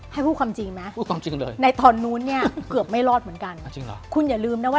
ให้พูดความจริงไหมในตอนนู้นเนี่ยเกือบไม่รอดเหมือนกันคุณอย่าลืมนะว่า